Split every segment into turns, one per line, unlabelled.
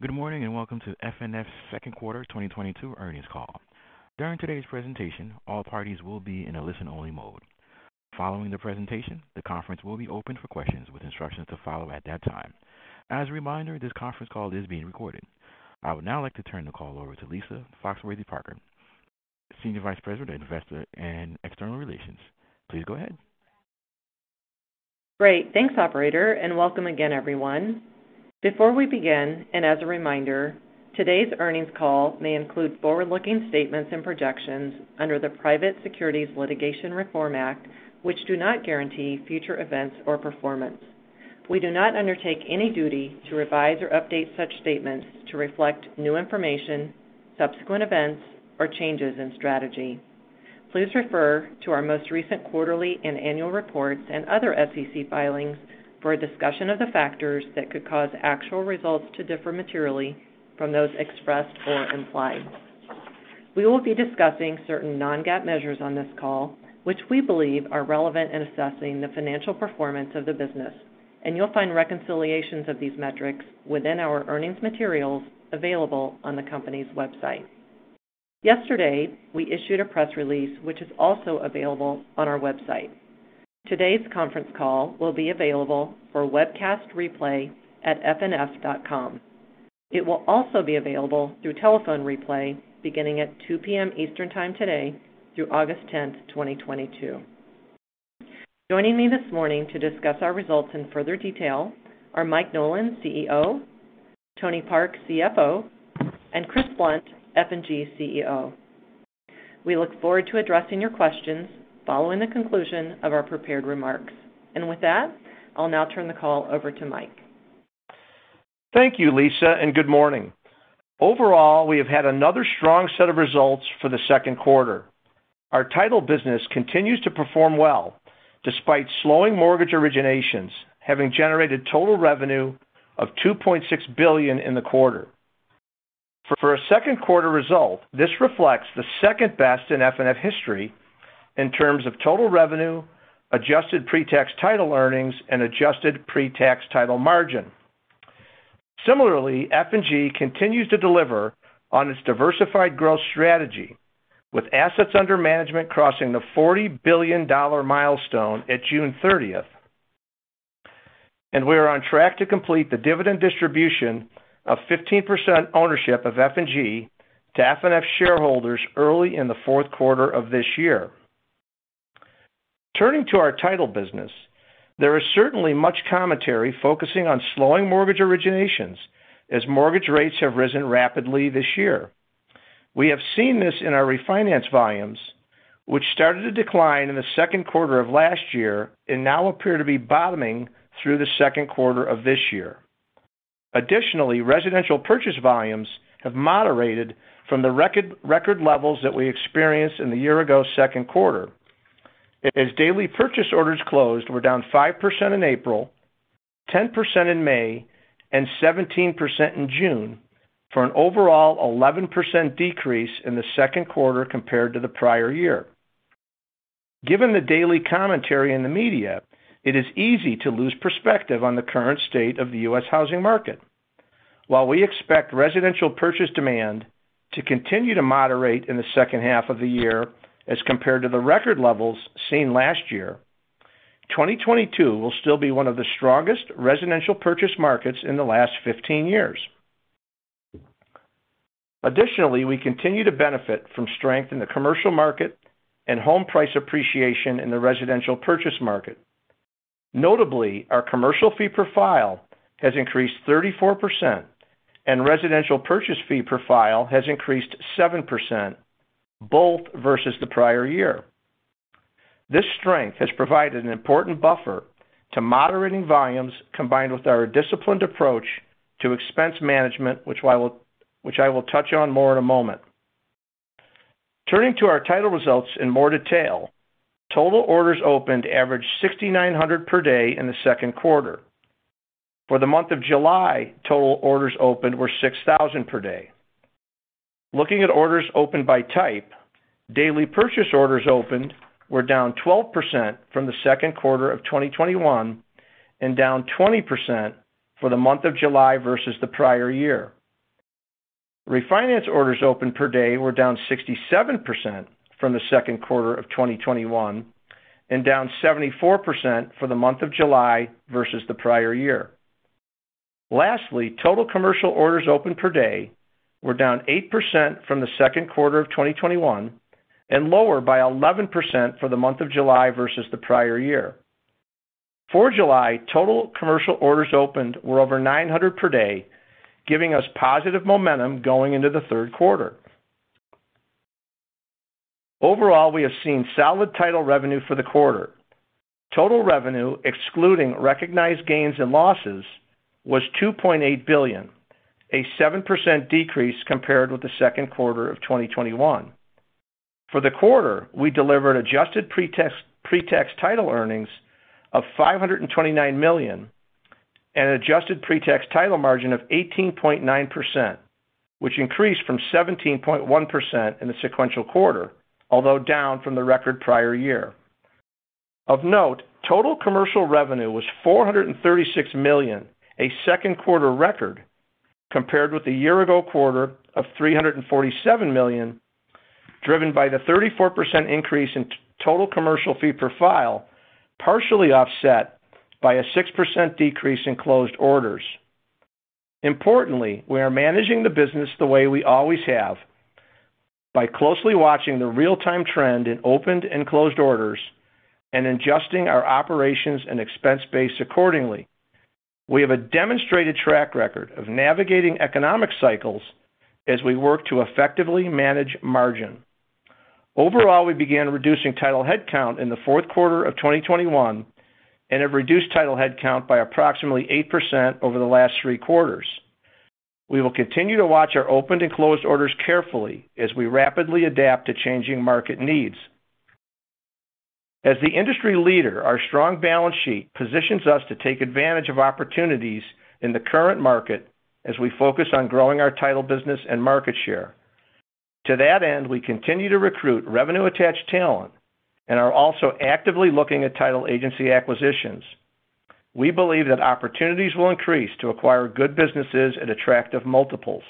Good morning, and welcome to FNF second quarter 2022 earnings call. During today's presentation, all parties will be in a listen-only mode. Following the presentation, the conference will be opened for questions with instructions to follow at that time. As a reminder, this conference call is being recorded. I would now like to turn the call over to Lisa Foxworthy-Parker, Senior Vice President, Investor and External Relations. Please go ahead.
Great. Thanks, operator, and welcome again, everyone. Before we begin, and as a reminder, today's earnings call may include forward-looking statements and projections under the Private Securities Litigation Reform Act, which do not guarantee future events or performance. We do not undertake any duty to revise or update such statements to reflect new information, subsequent events, or changes in strategy. Please refer to our most recent quarterly and annual reports and other SEC filings for a discussion of the factors that could cause actual results to differ materially from those expressed or implied. We will be discussing certain non-GAAP measures on this call, which we believe are relevant in assessing the financial performance of the business, and you'll find reconciliations of these metrics within our earnings materials available on the company's website. Yesterday, we issued a press release, which is also available on our website. Today's conference call will be available for webcast replay at fnf.com. It will also be available through telephone replay beginning at 2:00 P.M. Eastern time today through August 10, 2022. Joining me this morning to discuss our results in further detail are Mike Nolan, CEO, Tony Park, CFO, and Chris Blunt, F&G CEO. We look forward to addressing your questions following the conclusion of our prepared remarks. With that, I'll now turn the call over to Mike.
Thank you, Lisa, and good morning. Overall, we have had another strong set of results for the second quarter. Our title business continues to perform well despite slowing mortgage originations, having generated total revenue of $2.6 billion in the quarter. For a second quarter result, this reflects the second best in FNF history in terms of total revenue, adjusted pre-tax title earnings, and adjusted pre-tax title margin. Similarly, F&G continues to deliver on its diversified growth strategy, with assets under management crossing the $40 billion milestone at June 30. We are on track to complete the dividend distribution of 15% ownership of F&G to FNF shareholders early in the fourth quarter of this year. Turning to our title business, there is certainly much commentary focusing on slowing mortgage originations as mortgage rates have risen rapidly this year. We have seen this in our refinance volumes, which started to decline in the second quarter of last year and now appear to be bottoming through the second quarter of this year. Additionally, residential purchase volumes have moderated from the record levels that we experienced in the year-ago second quarter. Daily purchase orders closed were down 5% in April, 10% in May, and 17% in June, for an overall 11% decrease in the second quarter compared to the prior year. Given the daily commentary in the media, it is easy to lose perspective on the current state of the U.S. housing market. While we expect residential purchase demand to continue to moderate in the second half of the year as compared to the record levels seen last year, 2022 will still be one of the strongest residential purchase markets in the last 15 years. Additionally, we continue to benefit from strength in the commercial market and home price appreciation in the residential purchase market. Notably, our commercial fee per file has increased 34%, and residential purchase fee per file has increased 7% both versus the prior year. This strength has provided an important buffer to moderating volumes combined with our disciplined approach to expense management, which I will touch on more in a moment. Turning to our title results in more detail. Total orders opened averaged 6,900 per day in the second quarter. For the month of July, total orders opened were 6,000 per day. Looking at orders opened by type, daily purchase orders opened were down 12% from the second quarter of 2021 and down 20% for the month of July versus the prior year. Refinance orders opened per day were down 67% from the second quarter of 2021 and down 74% for the month of July versus the prior year. Lastly, total commercial orders opened per day were down 8% from the second quarter of 2021 and lower by 11% for the month of July versus the prior year. For July, total commercial orders opened were over 900 per day, giving us positive momentum going into the third quarter. Overall, we have seen solid title revenue for the quarter. Total revenue, excluding recognized gains and losses, was $2.8 billion, a 7% decrease compared with the second quarter of 2021. For the quarter, we delivered adjusted pre-tax title earnings of $529 million and an adjusted pre-tax title margin of 18.9%, which increased from 17.1% in the sequential quarter, although down from the record prior year. Of note, total commercial revenue was $436 million, a second quarter record compared with the year-ago quarter of $347 million, driven by the 34% increase in total commercial fee per file, partially offset by a 6% decrease in closed orders. Importantly, we are managing the business the way we always have by closely watching the real-time trend in opened and closed orders and adjusting our operations and expense base accordingly. We have a demonstrated track record of navigating economic cycles as we work to effectively manage margin. Overall, we began reducing title headcount in the fourth quarter of 2021 and have reduced title headcount by approximately 8% over the last three quarters. We will continue to watch our opened and closed orders carefully as we rapidly adapt to changing market needs. As the industry leader, our strong balance sheet positions us to take advantage of opportunities in the current market as we focus on growing our title business and market share. To that end, we continue to recruit revenue-attached talent and are also actively looking at title agency acquisitions. We believe that opportunities will increase to acquire good businesses at attractive multiples.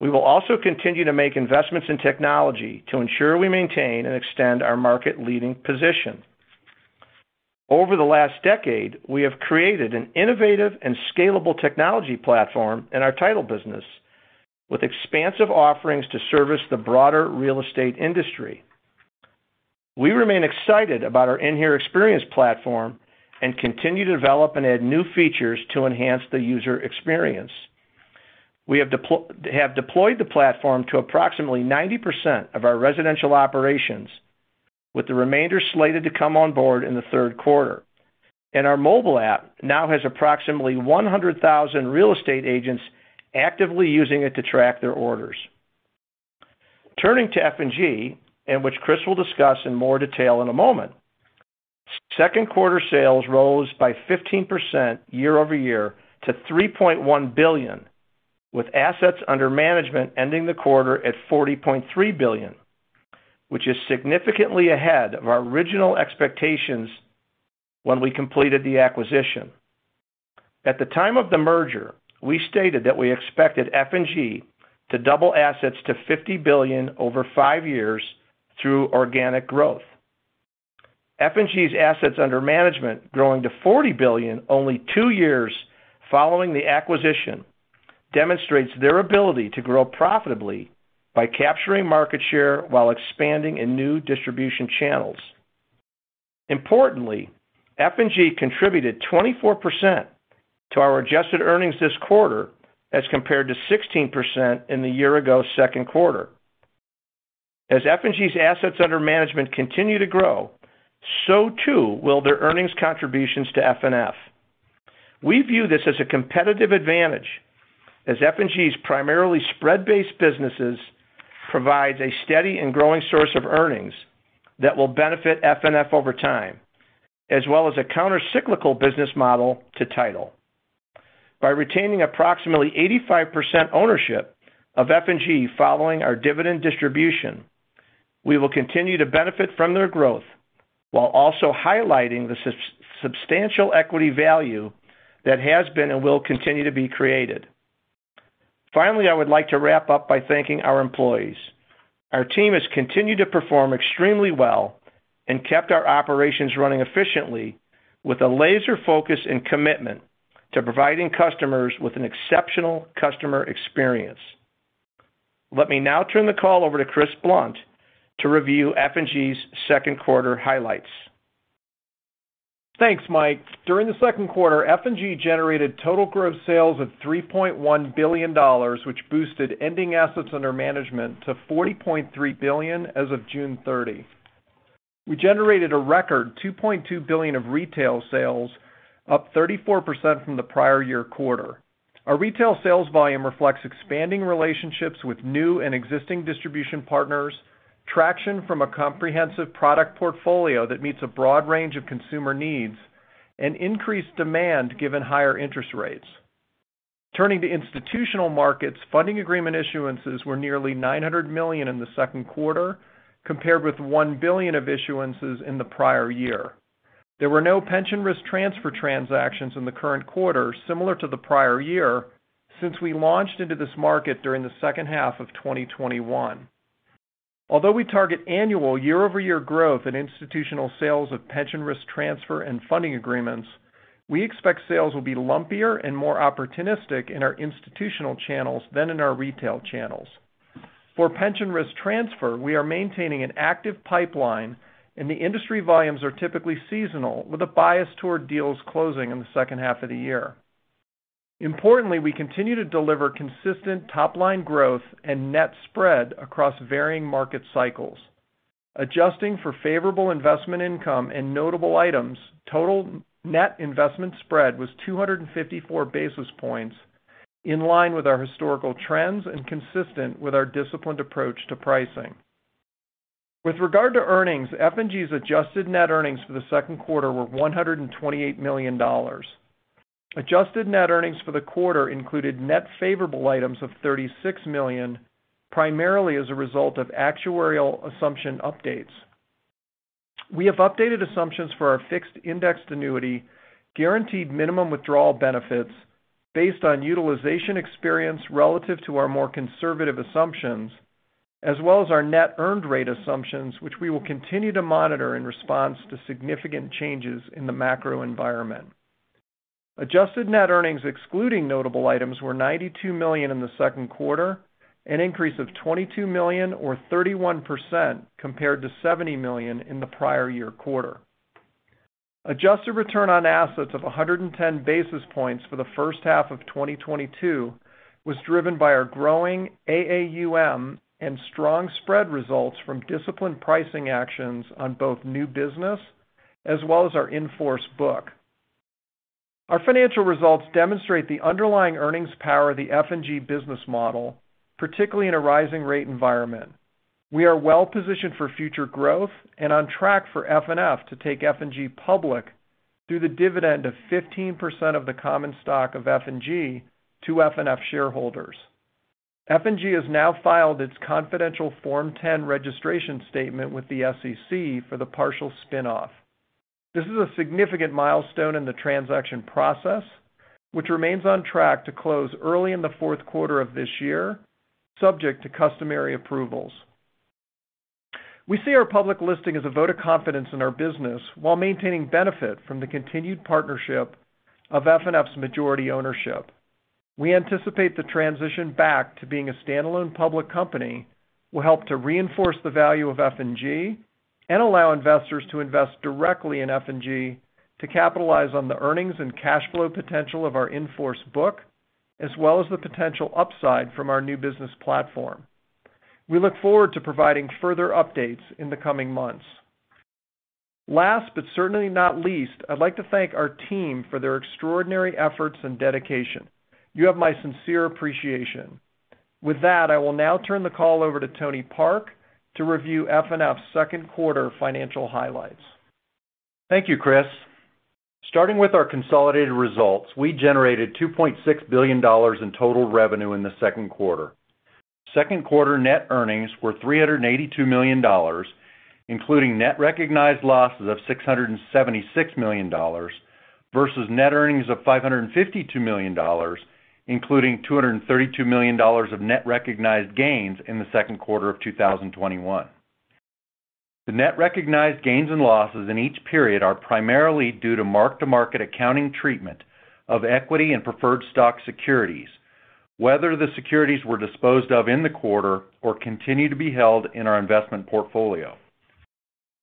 We will also continue to make investments in technology to ensure we maintain and extend our market-leading position. Over the last decade, we have created an innovative and scalable technology platform in our title business with expansive offerings to service the broader real estate industry. We remain excited about our in-house experience platform and continue to develop and add new features to enhance the user experience. We have deployed the platform to approximately 90% of our residential operations, with the remainder slated to come on board in the third quarter. Our mobile app now has approximately 100,000 real estate agents actively using it to track their orders. Turning to F&G, which Chris will discuss in more detail in a moment. Second quarter sales rose by 15% year-over-year to $3.1 billion, with assets under management ending the quarter at $40.3 billion, which is significantly ahead of our original expectations when we completed the acquisition. At the time of the merger, we stated that we expected F&G to double assets to $50 billion over five years through organic growth. F&G's assets under management growing to $40 billion only two years following the acquisition demonstrates their ability to grow profitably by capturing market share while expanding in new distribution channels. Importantly, F&G contributed 24% to our adjusted earnings this quarter as compared to 16% in the year-ago second quarter. As F&G's assets under management continue to grow, so too will their earnings contributions to FNF. We view this as a competitive advantage as F&G's primarily spread-based businesses provides a steady and growing source of earnings that will benefit FNF over time, as well as a counter-cyclical business model to Title. By retaining approximately 85% ownership of F&G following our dividend distribution, we will continue to benefit from their growth while also highlighting the substantial equity value that has been and will continue to be created. Finally, I would like to wrap up by thanking our employees. Our team has continued to perform extremely well and kept our operations running efficiently with a laser focus and commitment to providing customers with an exceptional customer experience. Let me now turn the call over to Chris Blunt to review F&G's second quarter highlights.
Thanks, Mike. During the second quarter, F&G generated total gross sales of $3.1 billion, which boosted ending assets under management to $40.3 billion as of June 30. We generated a record $2.2 billion of retail sales, up 34% from the prior-year quarter. Our retail sales volume reflects expanding relationships with new and existing distribution partners, traction from a comprehensive product portfolio that meets a broad range of consumer needs, and increased demand given higher interest rates. Turning to institutional markets, funding agreement issuances were nearly $900 million in the second quarter compared with $1 billion of issuances in the prior year. There were no pension risk transfer transactions in the current quarter similar to the prior year since we launched into this market during the second half of 2021. Although we target annual year-over-year growth in institutional sales of pension risk transfer and funding agreements, we expect sales will be lumpier and more opportunistic in our institutional channels than in our retail channels. For pension risk transfer, we are maintaining an active pipeline, and the industry volumes are typically seasonal, with a bias toward deals closing in the second half of the year. Importantly, we continue to deliver consistent top-line growth and net spread across varying market cycles. Adjusting for favorable investment income and notable items, total net investment spread was 254 basis points, in line with our historical trends and consistent with our disciplined approach to pricing. With regard to earnings, F&G's adjusted net earnings for the second quarter were $128 million. Adjusted net earnings for the quarter included net favorable items of $36 million, primarily as a result of actuarial assumption updates. We have updated assumptions for our fixed indexed annuity, Guaranteed Minimum Withdrawal Benefit based on utilization experience relative to our more conservative assumptions, as well as our net earned rate assumptions, which we will continue to monitor in response to significant changes in the macro environment. Adjusted net earnings excluding notable items were $92 million in the second quarter, an increase of $22 million or 31% compared to $70 million in the prior year quarter. Adjusted return on assets of 110 basis points for the first half of 2022 was driven by our growing AAUM and strong spread results from disciplined pricing actions on both new business as well as our in-force book. Our financial results demonstrate the underlying earnings power of the F&G business model, particularly in a rising rate environment. We are well positioned for future growth and on track for FNF to take F&G public through the dividend of 15% of the common stock of F&G to FNF shareholders. F&G has now filed its confidential Form 10 registration statement with the SEC for the partial spin-off. This is a significant milestone in the transaction process, which remains on track to close early in the fourth quarter of this year, subject to customary approvals. We see our public listing as a vote of confidence in our business while maintaining benefit from the continued partnership of FNF's majority ownership. We anticipate the transition back to being a standalone public company will help to reinforce the value of F&G and allow investors to invest directly in F&G to capitalize on the earnings and cash flow potential of our in-force book, as well as the potential upside from our new business platform. We look forward to providing further updates in the coming months. Last, but certainly not least, I'd like to thank our team for their extraordinary efforts and dedication. You have my sincere appreciation. With that, I will now turn the call over to Tony Park to review FNF's second quarter financial highlights.
Thank you, Chris. Starting with our consolidated results, we generated $2.6 billion in total revenue in the second quarter. Second quarter net earnings were $382 million, including net recognized losses of $676 million versus net earnings of $552 million, including $232 million of net recognized gains in the second quarter of 2021. The net recognized gains and losses in each period are primarily due to mark-to-market accounting treatment of equity and preferred stock securities, whether the securities were disposed of in the quarter or continue to be held in our investment portfolio.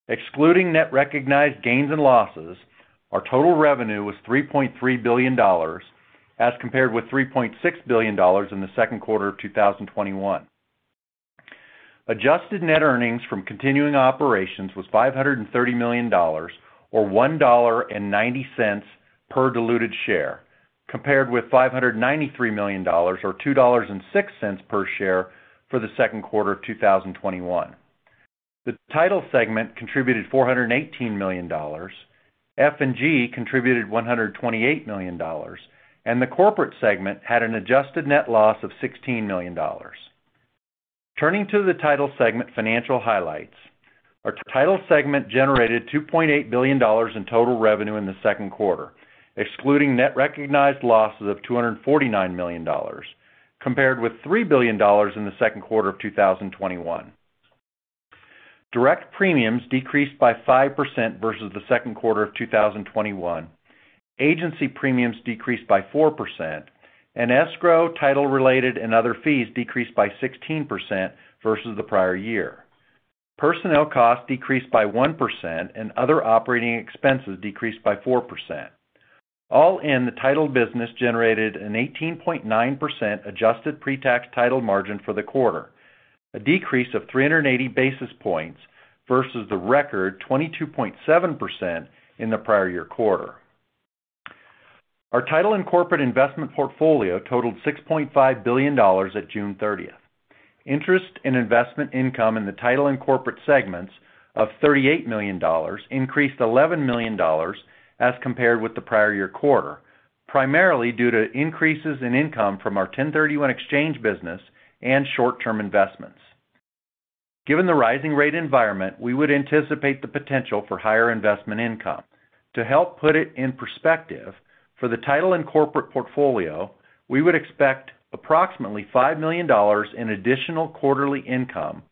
Excluding net recognized gains and losses, our total revenue was $3.3 billion as compared with $3.6 billion in the second quarter of 2021. Adjusted net earnings from continuing operations was $530 million or $1.90 per diluted share, compared with $593 million or $2.06 per share for the second quarter of 2021. The Title segment contributed $418 million, F&G contributed $128 million, and the Corporate segment had an adjusted net loss of $16 million. Turning to the Title segment financial highlights, our Title segment generated $2.8 billion in total revenue in the second quarter, excluding net recognized losses of $249 million compared with $3 billion in the second quarter of 2021. Direct premiums decreased by 5% versus the second quarter of 2021. Agency premiums decreased by 4%, and escrow, title-related, and other fees decreased by 16% versus the prior year. Personnel costs decreased by 1%, and other operating expenses decreased by 4%. All in, the title business generated an 18.9% adjusted pre-tax title margin for the quarter, a decrease of 380 basis points versus the record 22.7% in the prior year quarter. Our title and corporate investment portfolio totaled $6.5 billion at June 30. Interest and investment income in the title and corporate segments of $38 million increased $11 million as compared with the prior year quarter, primarily due to increases in income from our 1031 exchange business and short-term investments. Given the rising rate environment, we would anticipate the potential for higher investment income. To help put it in perspective, for the Title and Corporate portfolio, we would expect approximately $5 million in additional quarterly income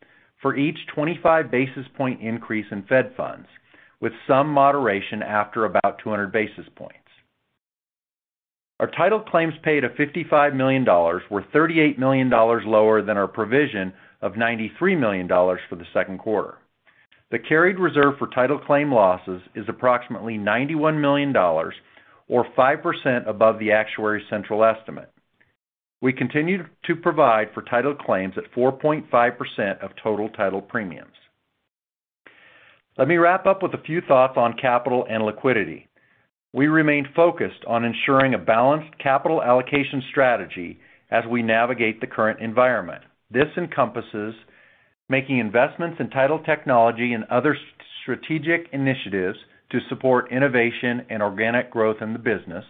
for each 25 basis point increase in Fed funds, with some moderation after about 200 basis points. Our Title claims paid of $55 million were $38 million lower than our provision of $93 million for the second quarter. The carried reserve for Title claim losses is approximately $91 million or 5% above the actuarial central estimate. We continue to provide for Title claims at 4.5% of total Title premiums. Let me wrap up with a few thoughts on capital and liquidity. We remain focused on ensuring a balanced capital allocation strategy as we navigate the current environment. This encompasses making investments in title technology and other strategic initiatives to support innovation and organic growth in the business.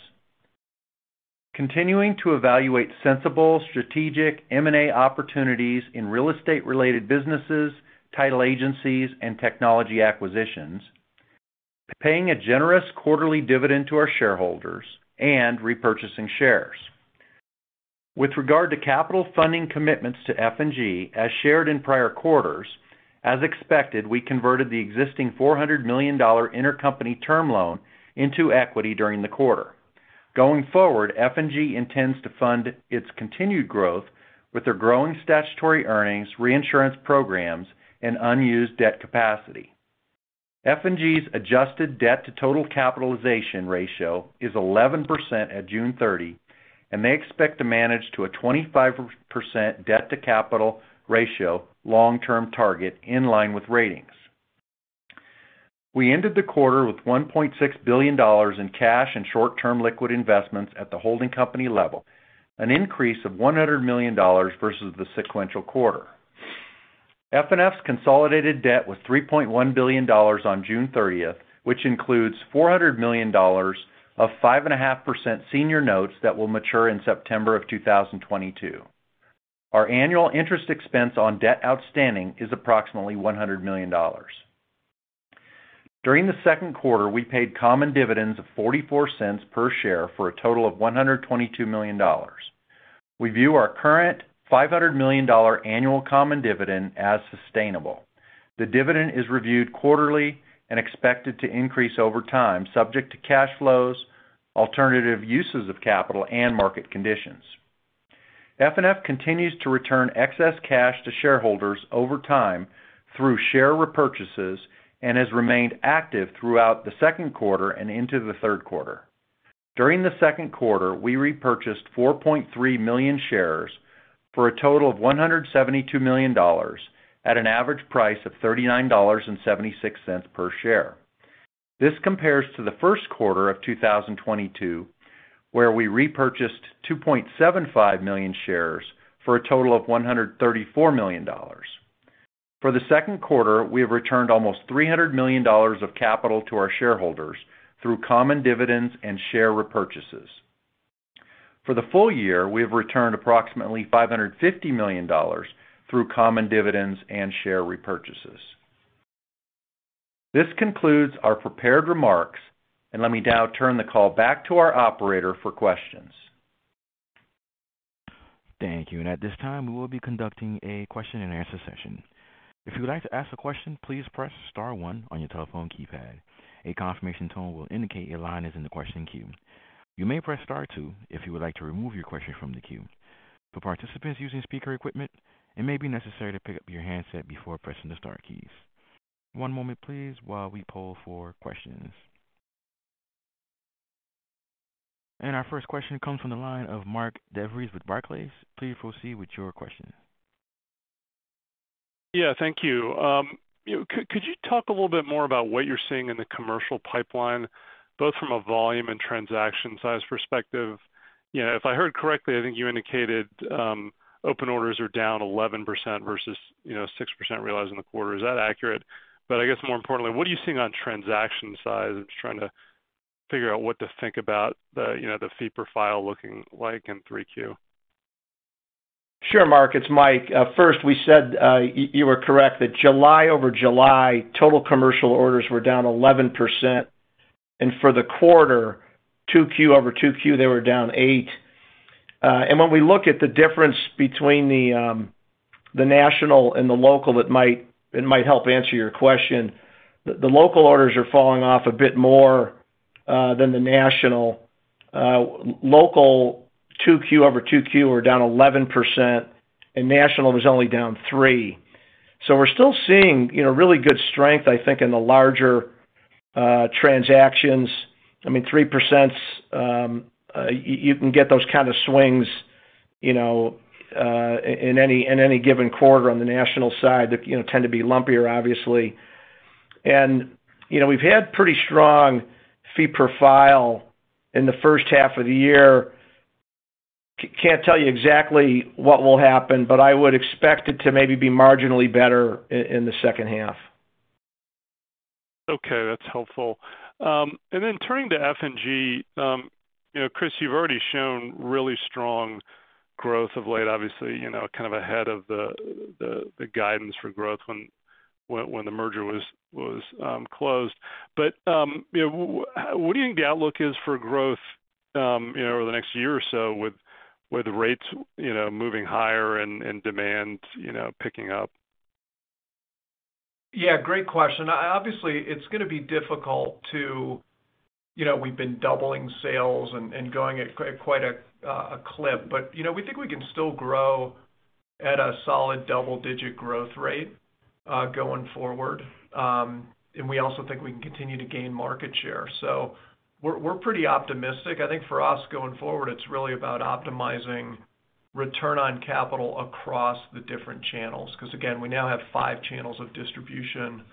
Continuing to evaluate sensible strategic M&A opportunities in real estate-related businesses, title agencies, and technology acquisitions. Paying a generous quarterly dividend to our shareholders and repurchasing shares. With regard to capital funding commitments to F&G, as shared in prior quarters, as expected, we converted the existing $400 million intercompany term loan into equity during the quarter. Going forward, F&G intends to fund its continued growth with their growing statutory earnings, reinsurance programs, and unused debt capacity. F&G's adjusted debt to total capitalization ratio is 11% at June 30, and they expect to manage to a 25% debt to capital ratio long-term target in line with ratings. We ended the quarter with $1.6 billion in cash and short-term liquid investments at the holding company level, an increase of $100 million versus the sequential quarter. FNF's consolidated debt was $3.1 billion on June 30, which includes $400 million of 5.5% senior notes that will mature in September 2022. Our annual interest expense on debt outstanding is approximately $100 million. During the second quarter, we paid common dividends of $0.44 per share for a total of $122 million. We view our current $500 million annual common dividend as sustainable. The dividend is reviewed quarterly and expected to increase over time, subject to cash flows, alternative uses of capital, and market conditions. FNF continues to return excess cash to shareholders over time through share repurchases and has remained active throughout the second quarter and into the third quarter. During the second quarter, we repurchased 4.3 million shares for a total of $172 million at an average price of $39.76 per share. This compares to the first quarter of 2022, where we repurchased 2.75 million shares for a total of $134 million. For the second quarter, we have returned almost $300 million of capital to our shareholders through common dividends and share repurchases. For the full year, we have returned approximately $550 million through common dividends and share repurchases. This concludes our prepared remarks, and let me now turn the call back to our operator for questions.
Thank you. At this time, we will be conducting a question and answer session. If you would like to ask a question, please press star one on your telephone keypad. A confirmation tone will indicate your line is in the question queue. You may press star two if you would like to remove your question from the queue. For participants using speaker equipment, it may be necessary to pick up your handset before pressing the star keys. One moment please while we poll for questions. Our first question comes from the line of Mark DeVries with Barclays. Please proceed with your question.
Yeah, thank you. You know, could you talk a little bit more about what you're seeing in the commercial pipeline, both from a volume and transaction size perspective? You know, if I heard correctly, I think you indicated open orders are down 11% versus, you know, 6% realized in the quarter. Is that accurate? I guess more importantly, what are you seeing on transaction size? I'm just trying to figure out what to think about the, you know, the fee profile looking like in 3Q.
Sure, Mark, it's Mike. First we said, you were correct that July over July, total commercial orders were down 11%. For the quarter, 2Q over 2Q, they were down 8%. When we look at the difference between the national and the local, it might help answer your question. The local orders are falling off a bit more than the national. Local 2Q over 2Q were down 11% and national was only down 3%. We're still seeing, you know, really good strength, I think, in the larger transactions. I mean, 3%, you can get those kind of swings, you know, in any given quarter on the national side that, you know, tend to be lumpier obviously.
You know, we've had pretty strong fee profile in the first half of the year. Can't tell you exactly what will happen, but I would expect it to maybe be marginally better in the second half.
Okay, that's helpful. Turning to F&G, you know, Chris, you've already shown really strong growth of late, obviously, you know, kind of ahead of the guidance for growth when the merger was closed. You know, what do you think the outlook is for growth, you know, over the next year or so with rates, you know, moving higher and demand, you know, picking up?
Yeah, great question. Obviously, it's gonna be difficult to, you know, we've been doubling sales and going at quite a clip, but, you know, we think we can still grow at a solid double-digit growth rate going forward. We also think we can continue to gain market share. We're pretty optimistic. I think for us, going forward, it's really about optimizing return on capital across the different channels 'cause, again, we now have five channels of distribution,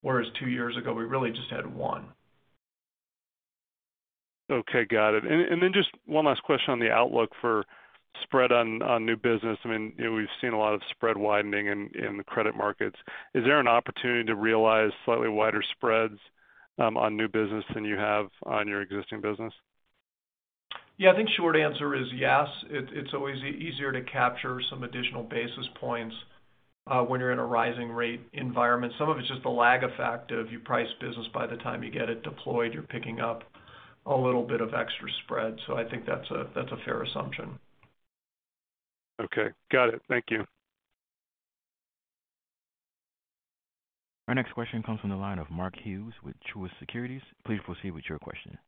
whereas two years ago, we really just had one.
Okay. Got it. Just one last question on the outlook for spread on new business. I mean, you know, we've seen a lot of spread widening in the credit markets. Is there an opportunity to realize slightly wider spreads on new business than you have on your existing business?
Yeah. I think short answer is yes. It's always easier to capture some additional basis points when you're in a rising rate environment. Some of it's just the lag effect of you price business by the time you get it deployed, you're picking up a little bit of extra spread. I think that's a fair assumption.
Okay. Got it. Thank you.
Our next question comes from the line of Mark Hughes with Truist Securities. Please proceed with your question.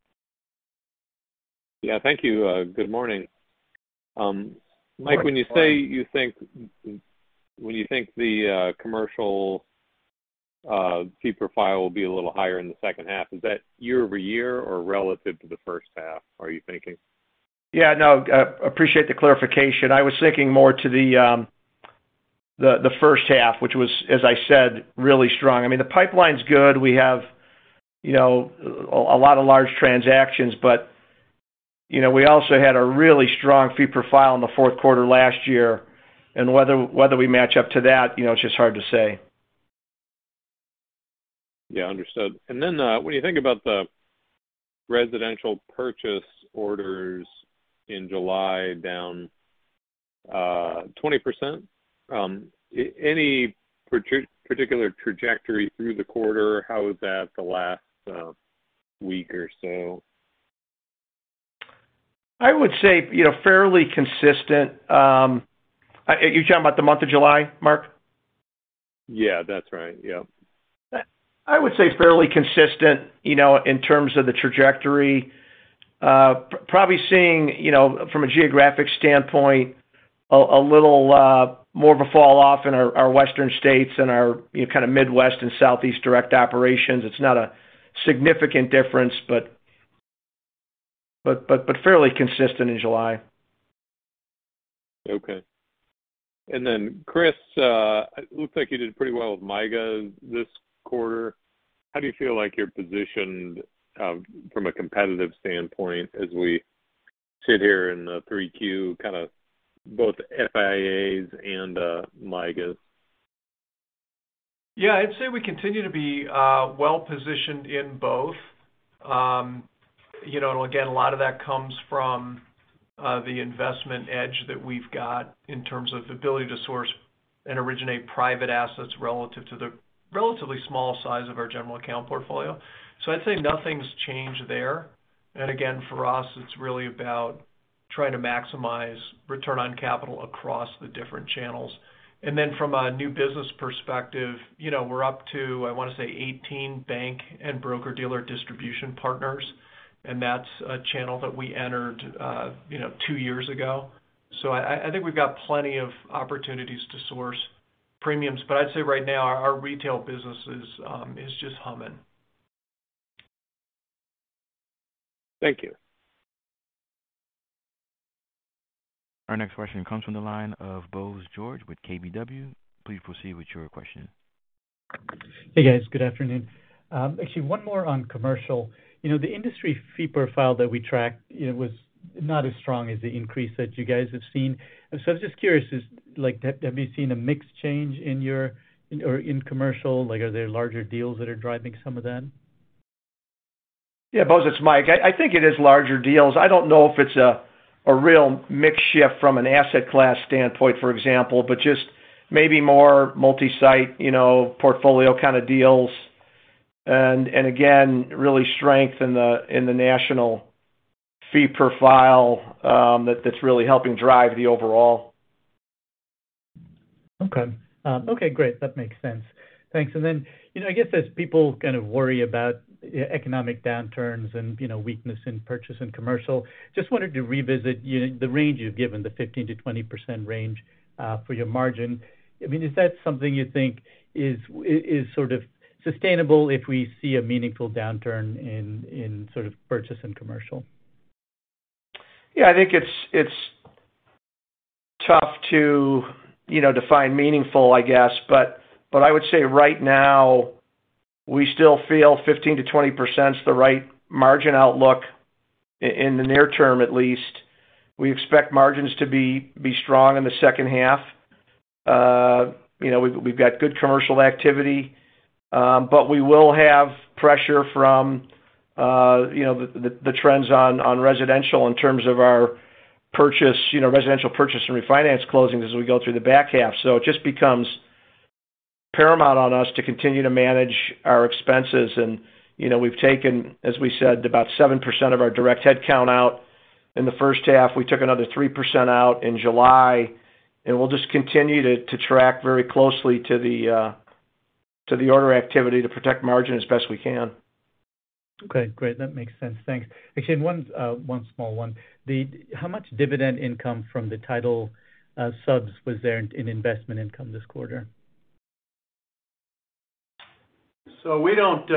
Yeah, thank you. Good morning.
Good morning.
Mike, when you say you think the commercial fee profile will be a little higher in the second half, is that year-over-year or relative to the first half, are you thinking?
Yeah. No, appreciate the clarification. I was thinking more to the first half, which was, as I said, really strong. I mean, the pipeline's good. We have, you know, a lot of large transactions, but, you know, we also had a really strong fee profile in the fourth quarter last year. Whether we match up to that, you know, it's just hard to say.
Yeah, understood. When you think about the residential purchase orders in July down 20%, any particular trajectory through the quarter, how is that in the last week or so?
I would say, you know, fairly consistent. You're talking about the month of July, Mark?
Yeah, that's right. Yep.
I would say fairly consistent, you know, in terms of the trajectory. Probably seeing, you know, from a geographic standpoint, a little more of a falloff in our Western states and our, you know, kind of Midwest and Southeast direct operations. It's not a significant difference, but fairly consistent in July.
Okay. Chris, it looks like you did pretty well with MYGA this quarter. How do you feel like you're positioned, from a competitive standpoint as we sit here in the 3Q kind of both FIAs and MYGAs?
Yeah. I'd say we continue to be well-positioned in both. You know, a lot of that comes from the investment edge that we've got in terms of ability to source and originate private assets relative to the relatively small size of our general account portfolio. I'd say nothing's changed there. For us, it's really about trying to maximize return on capital across the different channels. From a new business perspective, you know, we're up to, I wanna say 18 bank and broker-dealer distribution partners, and that's a channel that we entered, you know, two years ago. I think we've got plenty of opportunities to source premiums. I'd say right now, our retail business is just humming.
Thank you.
Our next question comes from the line of Bose George with KBW. Please proceed with your question.
Hey, guys. Good afternoon. Actually one more on commercial. You know, the industry refi profile that we tracked, it was not as strong as the increase that you guys have seen. I'm just curious, like, have you seen a mix change in your commercial? Like, are there larger deals that are driving some of that?
Yeah, Bose, it's Mike. I think it is larger deals. I don't know if it's a real mix shift from an asset class standpoint, for example, but just maybe more multi-site, you know, portfolio kind of deals. Again, real strength in the national fee profile, that's really helping drive the overall.
Okay. Okay, great. That makes sense. Thanks. You know, I guess as people kind of worry about economic downturns and, you know, weakness in purchase and commercial, just wanted to revisit the range you've given, the 15%-20% range for your margin. I mean, is that something you think is sort of sustainable if we see a meaningful downturn in sort of purchase and commercial?
Yeah, I think it's tough to, you know, define meaningful, I guess. I would say right now, we still feel 15%-20% is the right margin outlook in the near term, at least. We expect margins to be strong in the second half. You know, we've got good commercial activity, but we will have pressure from, you know, the trends on residential in terms of our purchase, you know, residential purchase and refinance closings as we go through the back half. It just becomes paramount on us to continue to manage our expenses. You know, we've taken, as we said, about 7% of our direct headcount out in the first half. We took another 3% out in July. We'll just continue to track very closely to the order activity to protect margin as best we can.
Okay, great. That makes sense. Thanks. Actually, one small one. How much dividend income from the title subs was there in investment income this quarter?
We don't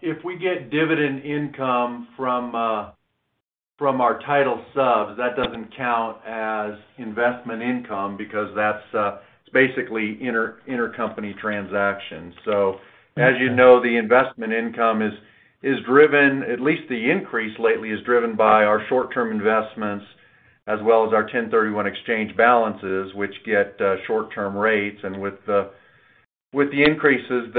if we get dividend income from our title subs, that doesn't count as investment income because that's it basically intercompany transactions. As you know, the investment income is driven, at least the increase lately is driven by our short-term investments as well as our 1031 exchange balances, which get short-term rates. With the increases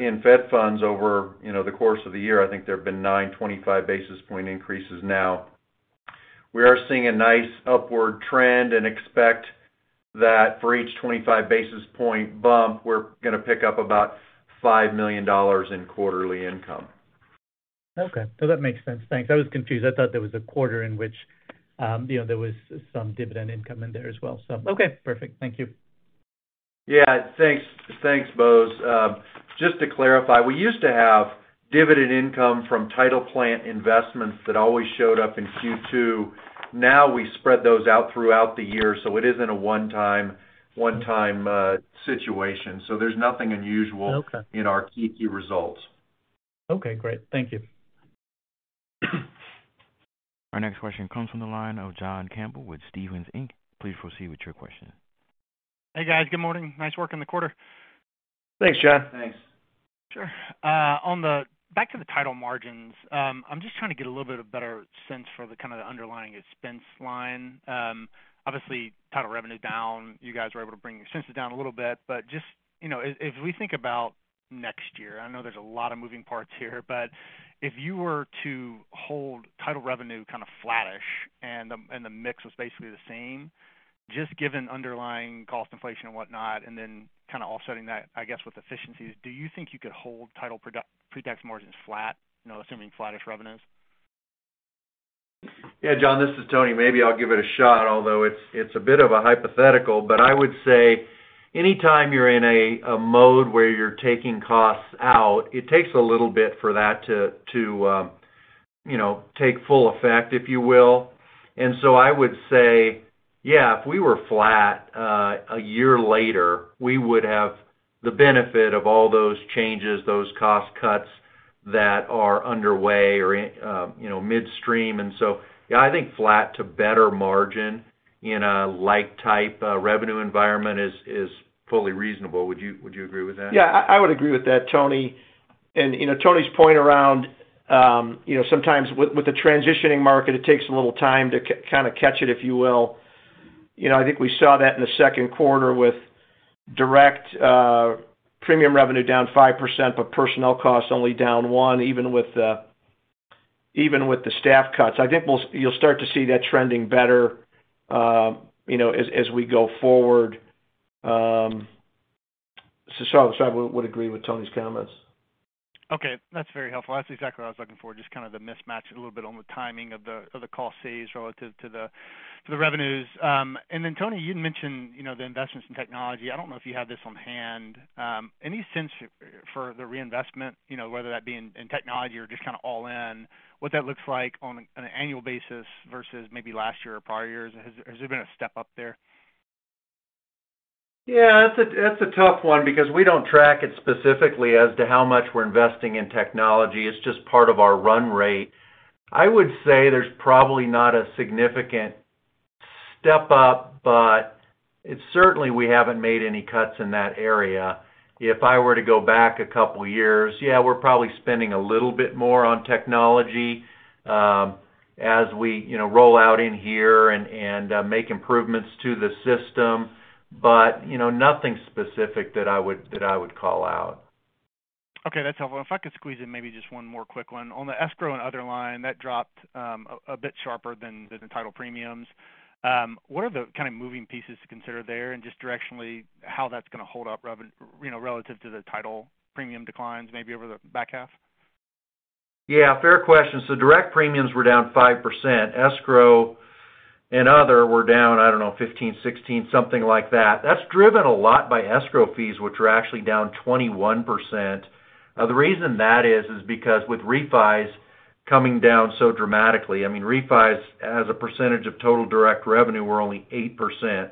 in Fed funds over you know the course of the year, I think there have been nine 25 basis point increases now. We are seeing a nice upward trend and expect that for each 25 basis point bump, we're gonna pick up about $5 million in quarterly income.
Okay. That makes sense. Thanks. I was confused. I thought there was a quarter in which, you know, there was some dividend income in there as well. Okay, perfect. Thank you.
Yeah, thanks. Thanks, Bose. Just to clarify, we used to have dividend income from title plant investments that always showed up in Q2. Now we spread those out throughout the year, so it isn't a one-time situation. There's nothing unusual.
Okay.
in our Q2 results.
Okay, great. Thank you.
Our next question comes from the line of John Campbell with Stephens Inc. Please proceed with your question.
Hey, guys. Good morning. Nice work in the quarter.
Thanks, John.
Thanks.
Sure. Back to the title margins, I'm just trying to get a little bit of better sense for the kind of the underlying expense line. Obviously, title revenue down, you guys were able to bring your expenses down a little bit. Just, you know, if we think about next year, I know there's a lot of moving parts here, but if you were to hold title revenue kind of flattish and the mix was basically the same, just given underlying cost inflation and whatnot, and then kind of offsetting that, I guess, with efficiencies, do you think you could hold title pre-tax margins flat, you know, assuming flattish revenues?
Yeah, John Campbell, this is Tony Park. Maybe I'll give it a shot, although it's a bit of a hypothetical. I would say anytime you're in a mode where you're taking costs out, it takes a little bit for that to, you know, take full effect, if you will. Yeah, if we were flat a year later, we would have the benefit of all those changes, those cost cuts that are underway or in, you know, midstream. Yeah, I think flat to better margin in a like type revenue environment is fully reasonable. Would you agree with that?
Yeah, I would agree with that, Tony. You know, Tony's point around, you know, sometimes with the transitioning market, it takes a little time to kind of catch it, if you will. You know, I think we saw that in the second quarter with direct premium revenue down 5%, but personnel costs only down 1%, even with the staff cuts. I think you'll start to see that trending better, you know, as we go forward. So I would agree with Tony's comments.
Okay, that's very helpful. That's exactly what I was looking for, just kind of the mismatch a little bit on the timing of the cost saves relative to the revenues. And then, Tony, you'd mentioned, you know, the investments in technology. I don't know if you have this on hand. Any sense for the reinvestment, you know, whether that be in technology or just kinda all in, what that looks like on an annual basis versus maybe last year or prior years? Has there been a step up there?
Yeah, that's a tough one because we don't track it specifically as to how much we're investing in technology. It's just part of our run rate. I would say there's probably not a significant step up, but it's certainly we haven't made any cuts in that area. If I were to go back a couple years, yeah, we're probably spending a little bit more on technology, as we, you know, roll out inHere and make improvements to the system. You know, nothing specific that I would call out.
Okay, that's helpful. If I could squeeze in maybe just one more quick one. On the escrow and other line, that dropped a bit sharper than the title premiums. What are the kind of moving pieces to consider there and just directionally how that's gonna hold up, you know, relative to the title premium declines maybe over the back half?
Yeah, fair question. Direct premiums were down 5%. Escrow and other were down, I don't know, 15%-16%, something like that. That's driven a lot by escrow fees, which are actually down 21%. The reason that is because with refis coming down so dramatically, I mean, refis as a percentage of total direct revenue were only 8%,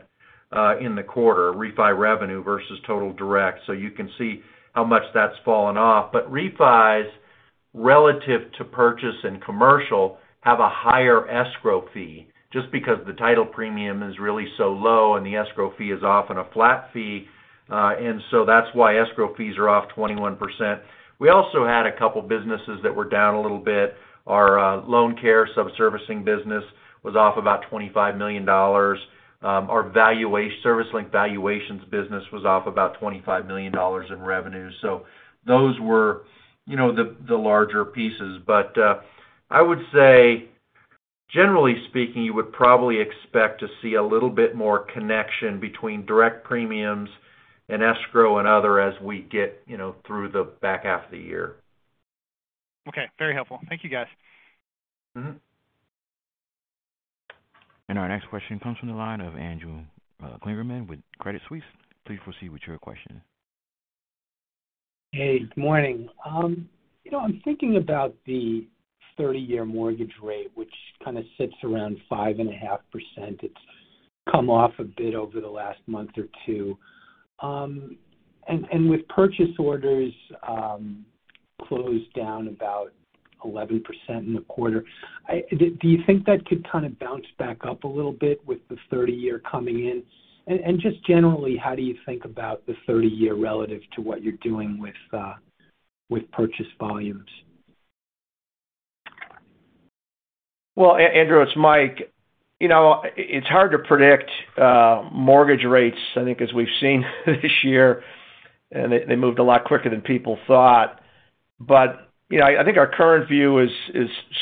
in the quarter, refi revenue versus total direct. You can see how much that's fallen off. Refis, relative to purchase and commercial, have a higher escrow fee just because the title premium is really so low and the escrow fee is often a flat fee. That's why escrow fees are off 21%. We also had a couple businesses that were down a little bit. Our LoanCare subservicing business was off about $25 million. Our valuation, ServiceLink valuations business was off about $25 million in revenue. Those were, you know, the larger pieces. I would say, generally speaking, you would probably expect to see a little bit more connection between direct premiums and escrow and other as we get, you know, through the back half of the year.
Okay, very helpful. Thank you, guys.
Our next question comes from the line of Andrew Kligerman with Credit Suisse. Please proceed with your question.
Hey, good morning. You know, I'm thinking about the 30-year mortgage rate, which kinda sits around 5.5%. It's come off a bit over the last month or two. And with purchase orders closed down about 11% in the quarter. Do you think that could kind of bounce back up a little bit with the 30-year coming in? Just generally, how do you think about the 30-year relative to what you're doing with purchase volumes?
Well, Andrew, it's Mike. You know, it's hard to predict mortgage rates, I think, as we've seen this year, and they moved a lot quicker than people thought. You know, I think our current view is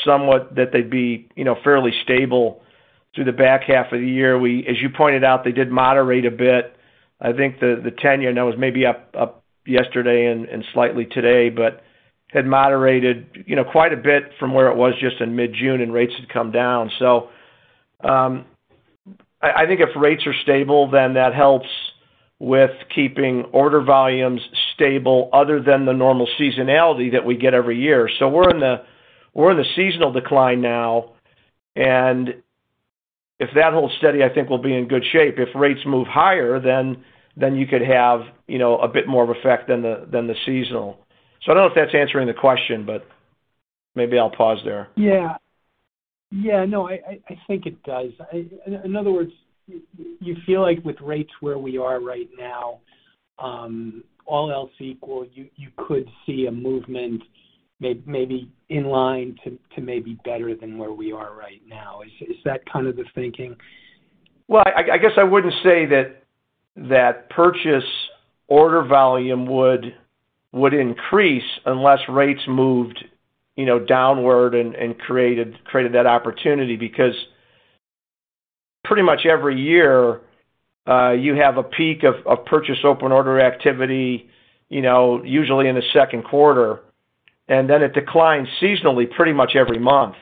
somewhat that they'd be, you know, fairly stable through the back half of the year. As you pointed out, they did moderate a bit. I think the 10-year now is maybe up yesterday and slightly today, but had moderated, you know, quite a bit from where it was just in mid-June and rates had come down. I think if rates are stable, then that helps with keeping order volumes stable other than the normal seasonality that we get every year. We're in the seasonal decline now, and if that holds steady, I think we'll be in good shape. If rates move higher, then you could have, you know, a bit more effect than the seasonal. I don't know if that's answering the question, but maybe I'll pause there.
Yeah. Yeah, no, I think it does. In other words, you feel like with rates where we are right now, all else equal, you could see a movement maybe in line to maybe better than where we are right now. Is that kind of the thinking?
Well, I guess I wouldn't say that purchase order volume would increase unless rates moved, you know, downward and created that opportunity because pretty much every year, you have a peak of purchase open order activity, you know, usually in the second quarter, and then it declines seasonally pretty much every month.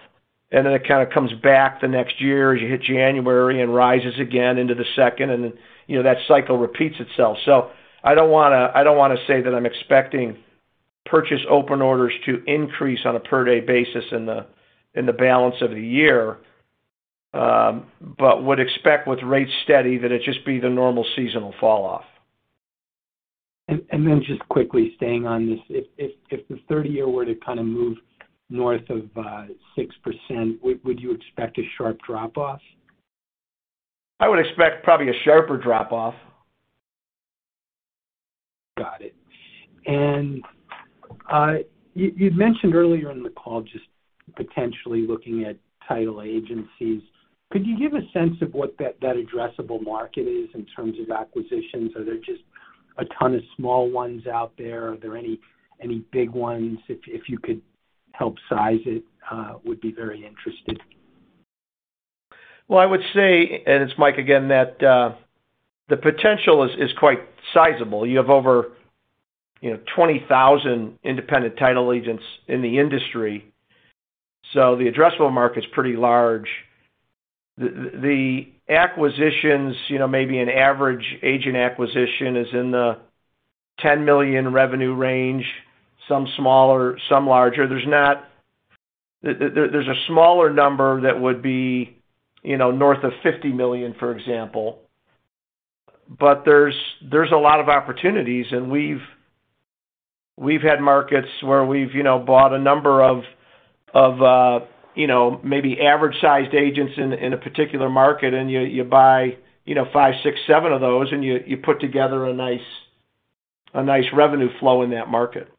It kind of comes back the next year as you hit January and rises again into the second. You know, that cycle repeats itself. I don't wanna say that I'm expecting purchase open orders to increase on a per-day basis in the balance of the year, but would expect with rates steady that it just be the normal seasonal fall off.
Then just quickly staying on this. If the 30-year were to kind of move north of 6%, would you expect a sharp drop off?
I would expect probably a sharper drop off.
Got it. You, you'd mentioned earlier in the call just potentially looking at title agencies. Could you give a sense of what that addressable market is in terms of acquisitions? Are there just a ton of small ones out there? Are there any big ones? If you could help size it, would be very interested.
Well, I would say, it's Mike again, that the potential is quite sizable. You have over, you know, 20,000 independent title agents in the industry, so the addressable market's pretty large. The acquisitions, you know, maybe an average agent acquisition is in the $10 million revenue range, some smaller, some larger. There's a smaller number that would be, you know, north of $50 million, for example. But there's a lot of opportunities, and we've had markets where we've, you know, bought a number of, you know, maybe average-sized agents in a particular market and you buy, you know, five, six, seven of those, and you put together a nice revenue flow in that market.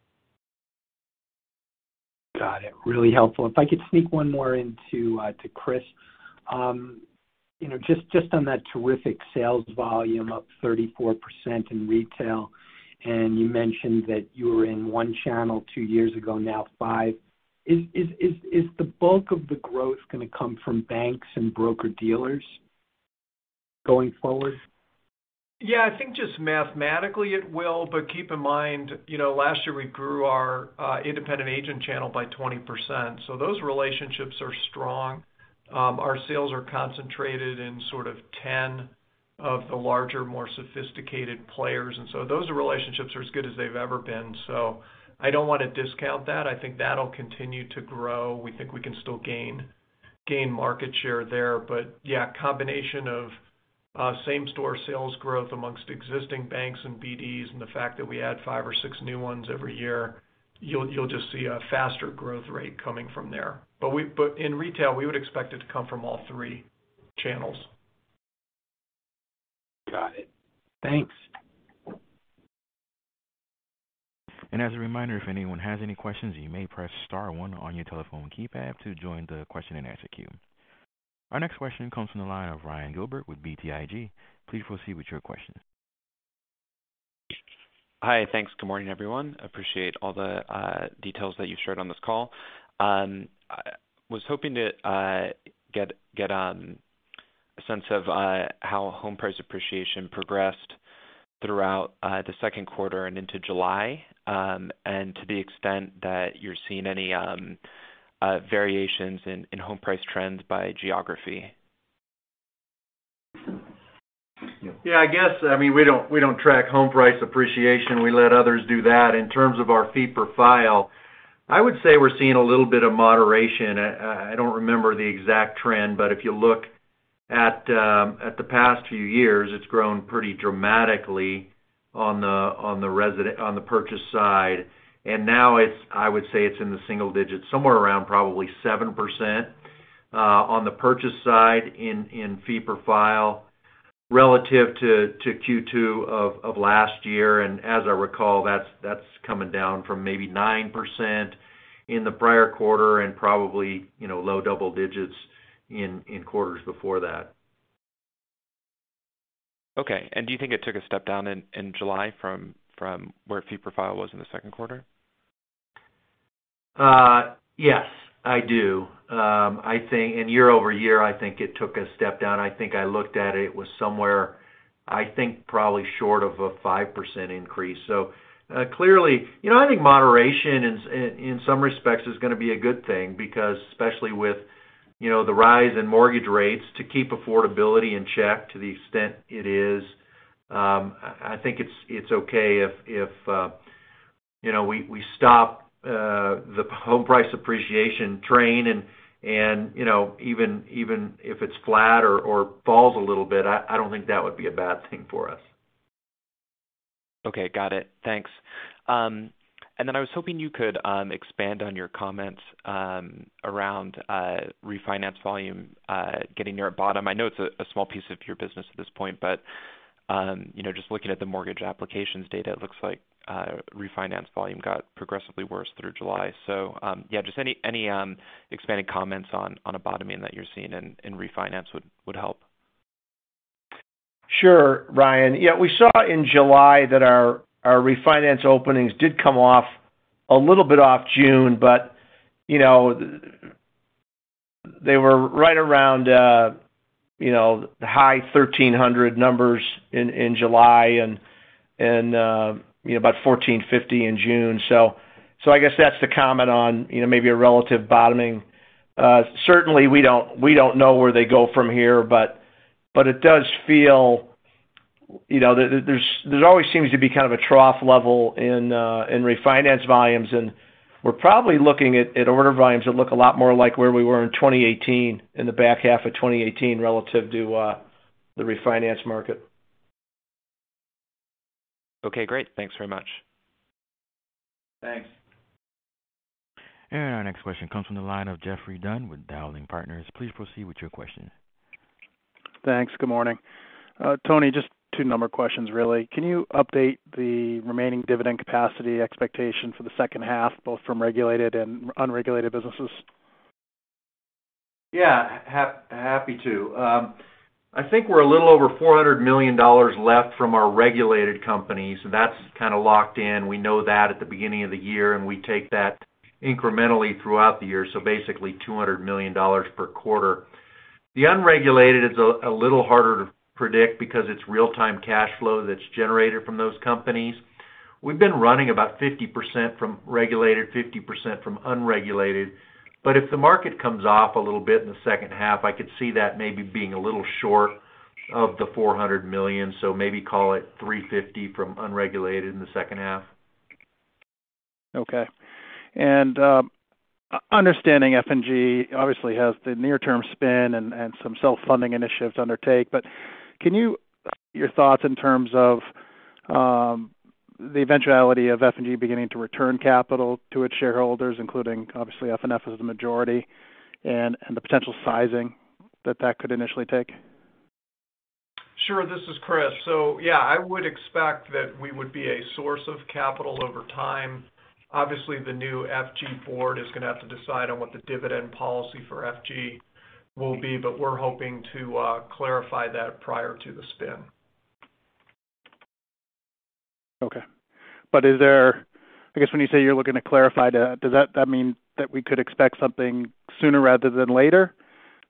Got it. Really helpful. If I could sneak one more in to Chris. You know, just on that terrific sales volume up 34% in retail, and you mentioned that you were in one channel two years ago, now five. Is the bulk of the growth gonna come from banks and broker-dealers going forward?
Yeah, I think just mathematically it will. Keep in mind, you know, last year we grew our independent agent channel by 20%, so those relationships are strong. Our sales are concentrated in sort of 10 of the larger, more sophisticated players, and so those relationships are as good as they've ever been. I don't wanna discount that. I think that'll continue to grow. We think we can still gain market share there. Yeah, combination of same store sales growth amongst existing banks and BDs and the fact that we add 5 or 6 new ones every year, you'll just see a faster growth rate coming from there. In retail, we would expect it to come from all three channels.
Got it. Thanks.
As a reminder, if anyone has any questions, you may press star one on your telephone keypad to join the question-and-answer queue. Our next question comes from the line of Ryan Gilbert with BTIG. Please proceed with your question.
Hi. Thanks. Good morning, everyone. Appreciate all the details that you've shared on this call. I was hoping to get a sense of how home price appreciation progressed throughout the second quarter and into July. To the extent that you're seeing any variations in home price trends by geography.
Yeah, I guess. I mean, we don't track home price appreciation. We let others do that. In terms of our fee per file, I would say we're seeing a little bit of moderation. I don't remember the exact trend, but if you look at the past few years, it's grown pretty dramatically on the purchase side. Now it's in the single digits, somewhere around probably 7%, on the purchase side in fee per file relative to Q2 of last year. As I recall, that's coming down from maybe 9% in the prior quarter and probably, you know, low double digits in quarters before that.
Okay. Do you think it took a step down in July from where fee per file was in the second quarter?
Yes, I do. I think year over year, I think it took a step down. I think I looked at it. It was somewhere, I think, probably short of a 5% increase. Clearly, you know, I think moderation in some respects is gonna be a good thing because especially with, you know, the rise in mortgage rates to keep affordability in check to the extent it is, I think it's okay if, you know, we stop the home price appreciation train and, you know, even if it's flat or falls a little bit, I don't think that would be a bad thing for us.
Okay. Got it. Thanks. I was hoping you could expand on your comment around refinance volume getting near a bottom. I know it's a small piece of your business at this point, but you know, just looking at the mortgage applications data, it looks like refinance volume got progressively worse through July. Yeah, just any expanded comments on a bottoming that you're seeing in refinance would help.
Sure, Ryan. Yeah, we saw in July that our refinance openings did come off a little bit from June, but you know, they were right around you know, high 1,300 numbers in July and you know, about 1,450 in June. So I guess that's the comment on you know, maybe a relative bottoming. Certainly we don't know where they go from here, but it does feel you know, there's always seems to be kind of a trough level in refinance volumes, and we're probably looking at order volumes that look a lot more like where we were in 2018, in the back half of 2018 relative to the refinance market.
Okay. Great. Thanks very much.
Thanks.
Our next question comes from the line of Geoffrey Dunn with Dowling & Partners. Please proceed with your question.
Thanks. Good morning. Tony, just two number questions really. Can you update the remaining dividend capacity expectation for the second half, both from regulated and unregulated businesses?
Yeah. Happy to. I think we're a little over $400 million left from our regulated companies. That's kinda locked in. We know that at the beginning of the year, and we take that incrementally throughout the year, so basically $200 million per quarter. The unregulated is a little harder to predict because it's real-time cash flow that's generated from those companies. We've been running about 50% from regulated, 50% from unregulated. If the market comes off a little bit in the second half, I could see that maybe being a little short of the $400 million. Maybe call it $350 million from unregulated in the second half.
Understanding F&G obviously has the near-term spin and some self-funding initiatives to undertake. Can you share your thoughts in terms of the eventuality of F&G beginning to return capital to its shareholders, including obviously FNF as the majority and the potential sizing that that could initially take?
Sure. This is Chris. Yeah, I would expect that we would be a source of capital over time. Obviously, the new F&G board is gonna have to decide on what the dividend policy for F&G will be, but we're hoping to clarify that prior to the spin.
Okay. I guess when you say you're looking to clarify that, does that mean that we could expect something sooner rather than later?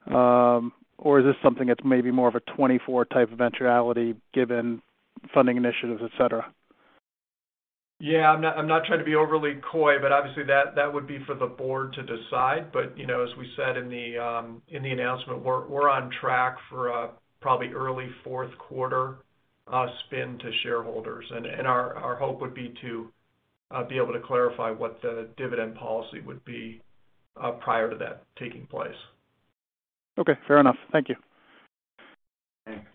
Is this something that's maybe more of a 2024 type eventuality given funding initiatives, et cetera?
I'm not trying to be overly coy, but obviously that would be for the board to decide. You know, as we said in the announcement, we're on track for a probably early fourth quarter spin to shareholders. Our hope would be to be able to clarify what the dividend policy would be prior to that taking place.
Okay, fair enough. Thank you.
Thanks.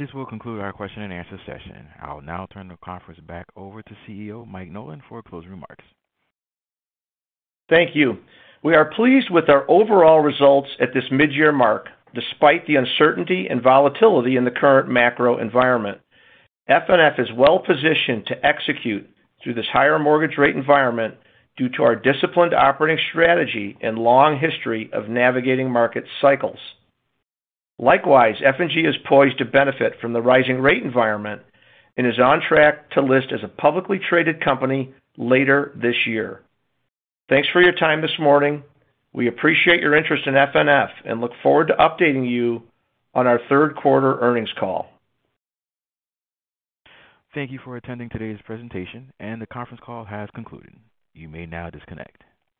This will conclude our question and answer session. I'll now turn the conference back over to CEO, Mike Nolan, for closing remarks.
Thank you. We are pleased with our overall results at this mid-year mark, despite the uncertainty and volatility in the current macro environment. FNF is well-positioned to execute through this higher mortgage rate environment due to our disciplined operating strategy and long history of navigating market cycles. Likewise, F&G is poised to benefit from the rising rate environment and is on track to list as a publicly traded company later this year. Thanks for your time this morning. We appreciate your interest in FNF and look forward to updating you on our third quarter earnings call.
Thank you for attending today's presentation, and the conference call has concluded. You may now disconnect.